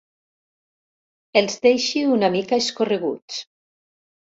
Els deixi una mica escorreguts.